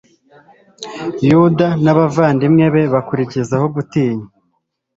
yuda n'abavandimwe be bakurizaho gutinywa